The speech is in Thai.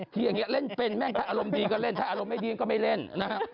อย่างนี้เล่นเป็นแม่งถ้าอารมณ์ดีก็เล่นถ้าอารมณ์ไม่ดีก็ไม่เล่นนะฮะ